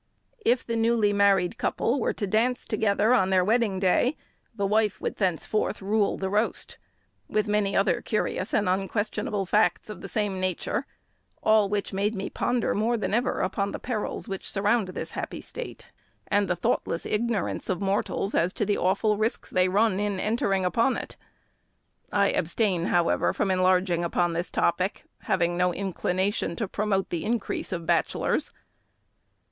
If the newly married couple were to dance together on their wedding day, the wife would thenceforth rule the roast; with many other curious and unquestionable facts of the same nature, all which made me ponder more than ever upon the perils which surround this happy state, and the thoughtless ignorance of mortals as to the awful risks they run in entering upon it. I abstain, however, from enlarging upon this topic, having no inclination to promote the increase of bachelors.